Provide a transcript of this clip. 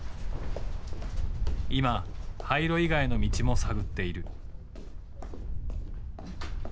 今廃炉以外の道も探っている。